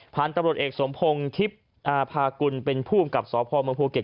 ผ่านตำรวจเอกสมพงศ์คลิปพากุลเป็นผู้อำกับสพเมืองภูเก็ต